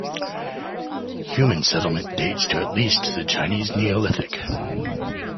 Human settlement dates to at least the Chinese Neolithic.